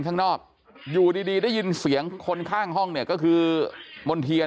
ข้างนอกอยู่ดีได้ยินเสียงคนข้างห้องเนี่ยก็คือมณ์เทียน